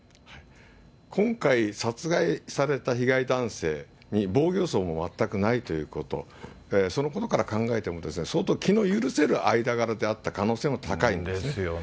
今回、殺害された被害男性に防御創も全くないということ、そのことから考えても、相当気の許せる間柄であった可能性も高いんですね。